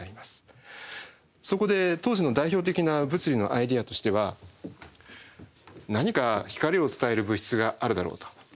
そこで当時の代表的な物理のアイデアとしては何か光を伝える物質があるだろうと。